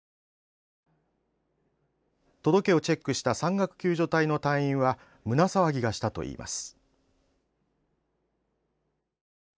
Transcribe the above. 届けをチェックした山岳救助隊の隊員は胸騒ぎがしたといいます。